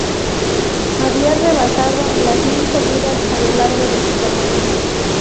Había rebasado las mil corridas a lo largo de su carrera.